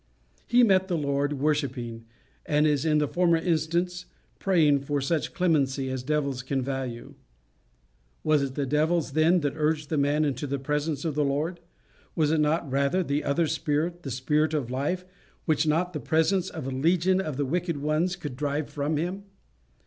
He met the Lord worshipping, and, as in a former instance, praying for such clemency as devils can value. Was it the devils, then, that urged the man into the presence of the Lord? Was it not rather the other spirit, the spirit of life, which not the presence of a legion of the wicked ones could drive from him?